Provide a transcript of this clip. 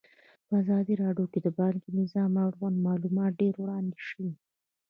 په ازادي راډیو کې د بانکي نظام اړوند معلومات ډېر وړاندې شوي.